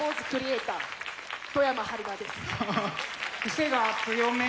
癖が強め！